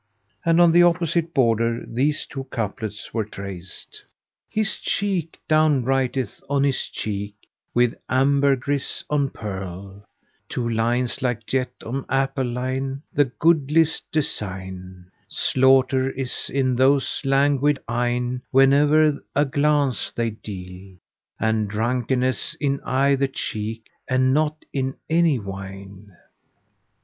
And on the opposite border these two couplets were traced, "His cheek down writeth on his cheek with ambergris on pearl * Two lines, like jet on apple li'en, the goodliest design: Slaughter is in those languid eyne whene'er a glance they deal, * And drunkenness in either cheek and not in any wine."